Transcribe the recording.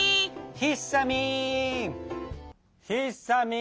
ひさみん。